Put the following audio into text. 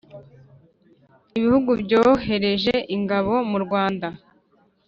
ibihugu byohereje ingabo mu rwanda.